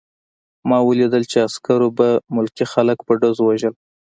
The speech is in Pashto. ما ولیدل چې عسکرو به ملکي خلک په ډزو وژل